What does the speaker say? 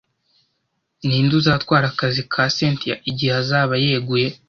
Ninde uzatwara akazi ka Cynthia igihe azaba yeguye?